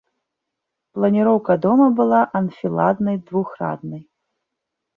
Планіроўка дома была анфіладнай двухраднай.